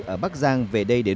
ở bắc giang về đài loan